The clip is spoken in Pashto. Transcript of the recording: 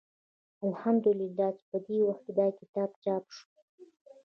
الحمد لله چې په دې وخت کې دا کتاب چاپ شو.